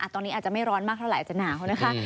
ตอนนี้อาจจะไม่ร้อนมากเท่าไหร่อาจจะหนาวเขานะคะ